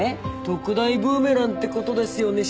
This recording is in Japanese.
特大ブーメランってことですよね